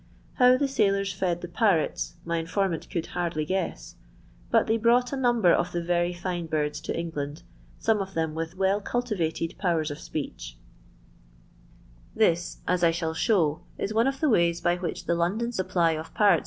How the sailors fed the parrots, mant could hardly guess, but they brought tr of very fine birds to EngUnd, some of ith well cultivated powers of speech, as I shall show, is one of the ways by he London supply of parrots, &c.